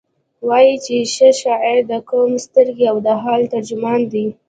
وایي چې ښه شاعر د قوم سترګې او د حال ترجمان دی.